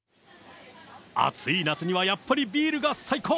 暑い夏にはやっぱりビールが最高！